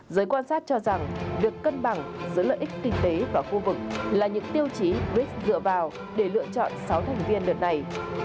giới quan sát cho rằng việc cân bằng giữa lợi ích kinh tế và khu vực là những tiêu chí brics dựa vào để lựa chọn sáu thành viên đợt này